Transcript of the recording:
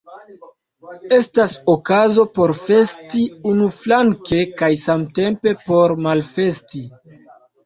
Estas okazo por festi unuflanke kaj samtempe por malfesti.